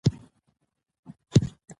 اکسنټ ډېرې ماناوې لري.